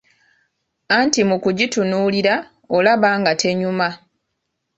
Anti mu kugitunuulira olaba nga tenyuma.